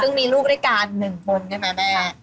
ซึ่งมีลูกด้วยกัน๑คนใช่ไหมแม่